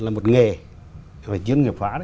là một nghề phải chuyên nghiệp hóa